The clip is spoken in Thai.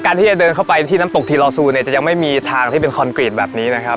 ที่จะเดินเข้าไปที่น้ำตกทีลอซูเนี่ยจะยังไม่มีทางที่เป็นคอนกรีตแบบนี้นะครับ